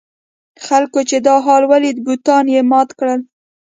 خلکو چې دا حال ولید بتان یې مات کړل.